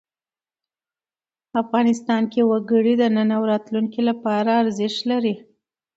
افغانستان کې وګړي د نن او راتلونکي لپاره ارزښت لري.